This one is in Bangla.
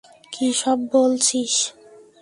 কী সব বলছিস?